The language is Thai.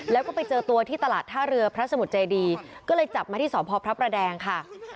แล้วก็ไปเจอตัวที่ตลาดท่าเรือพระสมุทรเจดีก็เลยจับมาที่สพพระประแดงค่ะ